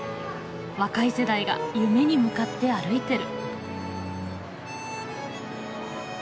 若い世代が夢に向かって歩いてる。